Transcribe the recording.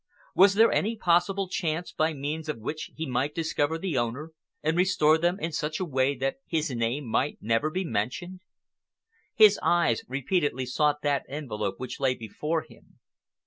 Was there any possible chance by means of which he might discover the owner and restore them in such a way that his name might never be mentioned? His eyes repeatedly sought that envelope which lay before him.